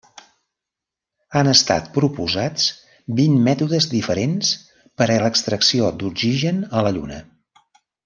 Han estat proposats vint mètodes diferents per a l'extracció d'oxigen a la Lluna.